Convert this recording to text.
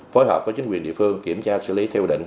phối hợp với chính quyền địa phương kiểm tra xử lý theo định